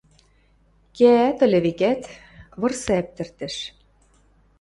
– Кеӓӓт ыльы, векӓт, вырсы ӓптӹртӹш...